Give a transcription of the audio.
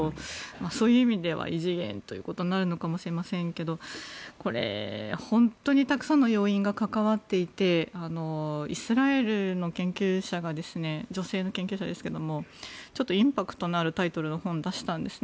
そういう意味では異次元ということになるのかもしれませんけどこれ、本当にたくさんの要因が関わっていてイスラエルの研究者が女性の研究者ですけどもちょっとインパクトのあるタイトルの本を出したんですね。